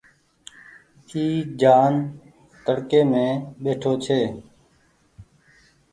اي جآن تڙڪي مين ٻيٺو ڇي۔